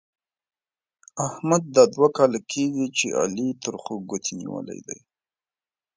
احمد دا دوه کاله کېږي چې علي تر خوږ ګوتې نيولې دی.